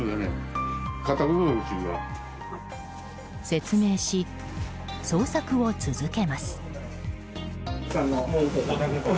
説明し、捜索を続けます。